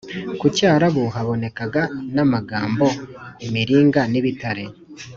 ku cyarabu Habonekaga namagambo imiringa nibitare